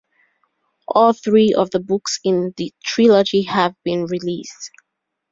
All three of the books in the trilogy have been released.